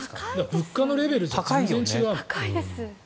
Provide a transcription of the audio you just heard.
物価のレベルと全然違うもん。